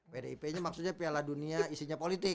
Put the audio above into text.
pdip ini maksudnya piala dunia isinya politik